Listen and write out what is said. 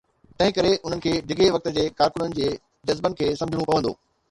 تنهن ڪري انهن کي ڊگهي وقت جي ڪارڪنن جي جذبن کي سمجهڻو پوندو.